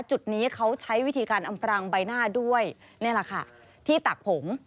จุดนี้เขาใช้วิธีการอำพรางใบหน้าด้วยนี่แหละค่ะที่ตักผม